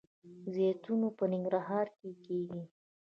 زیتون په ننګرهار کې کیږي